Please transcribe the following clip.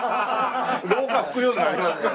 廊下拭くようになりますか。